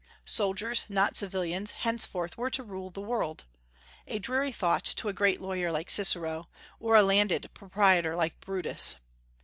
Soldiers, not civilians, henceforth were to rule the world, a dreary thought to a great lawyer like Cicero, or a landed proprietor like Brutus.